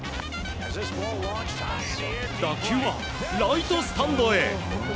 打球は、ライトスタンドへ！